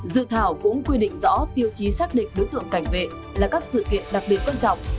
dự thảo cũng quy định rõ tiêu chí xác định đối tượng cảnh vệ là các sự kiện đặc biệt quan trọng